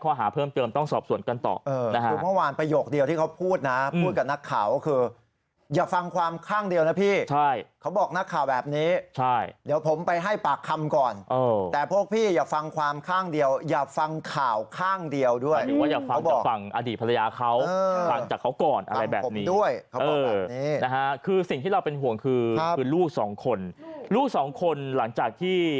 ก็จะแจ้งข้อหาเพิ่มเตรียมต้องสอบส่วนกันต่อ